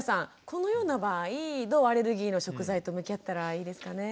このような場合どうアレルギーの食材と向き合ったらいいですかね？